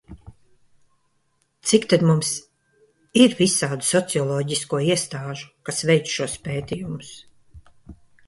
Cik tad mums ir visādu socioloģisko iestāžu, kas veic šos pētījumus?